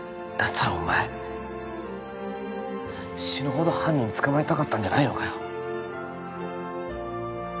だったらお前死ぬほど犯人捕まえたかったんじゃないのかよ